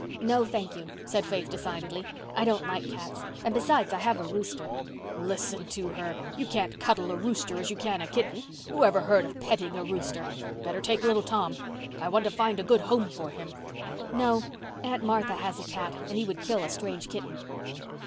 "No, thank you," said Faith decidedly. "I don't like cats, and besides, I have a rooster." "Listen to her. You can't cuddle a rooster as you can a kitten. Who ever heard of petting a rooster? Better take little Tom. I want to find a good home for him." "No. Aunt Martha has a cat and he would kill a strange kitten."